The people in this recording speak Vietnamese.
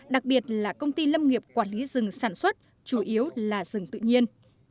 đặc biệt là công ty lâm nghiệp quản lý rừng sản xuất chủ yếu là rừng tự nhiên